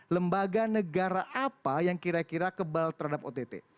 lembaga negara apa yang kira kira kebal terhadap ott